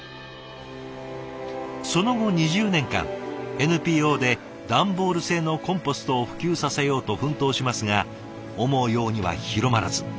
その後２０年間ＮＰＯで段ボール製のコンポストを普及させようと奮闘しますが思うようには広まらず。